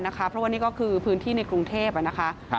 เพราะว่านี่ก็คือพื้นที่ในกรุงเทพนะคะ